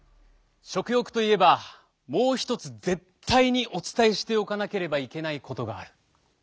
食欲といえばもう一つ絶対にお伝えしておかなければいけないことがある。